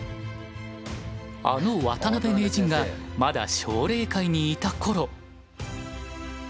あの渡辺名人がまだ奨励会にいた頃。